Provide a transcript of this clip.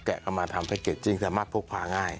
แกะกันมาทำแพ็กเกจจิ้งแต่มักโภคผ่าง่าย